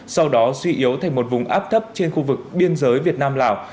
sau đó suy yếu thành một vùng áp thấp trên khu vực biên giới việt nam lào